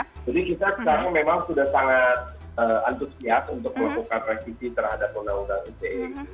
jadi kita sekarang memang sudah sangat antusias untuk melakukan resisi terhadap undang undang rce